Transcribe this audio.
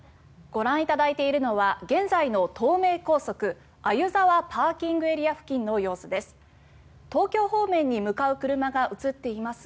ご覧いただいているのは現在の東名高速鮎沢ＰＡ付近の様子です。